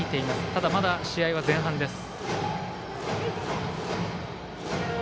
ただ、まだ試合は前半です。